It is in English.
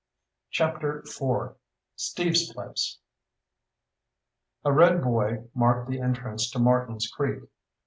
CHAPTER IV Steve's Place A red buoy marked the entrance to Martins Creek.